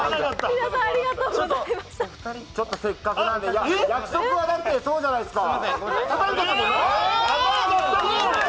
ちょっとお二人約束はだってそうじゃないですか。